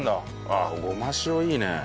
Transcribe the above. ああごま塩いいね。